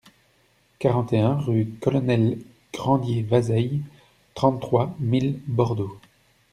quarante et un rue Colonel Grandier-Vazeille, trente-trois mille Bordeaux